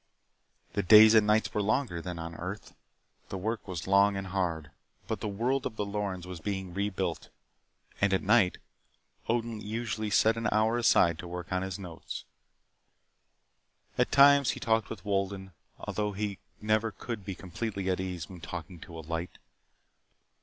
The days and the nights were longer than on earth. The work was long and hard. But the world of the Lorens was being rebuilt. And at night, Odin usually set an hour aside to work on his notes. At times he talked with Wolden, although he could never be completely at ease when talking to a light.